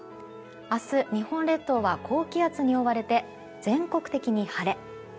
明日、日本列島は高気圧に覆われて全国的に晴れ。